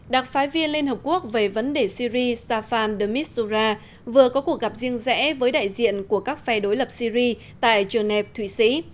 đặc phái viên liên hợp quốc về vấn đề syri safan dmitsura vừa có cuộc gặp riêng rẽ với đại diện của các phe đối lập syri tại geneva thụy sĩ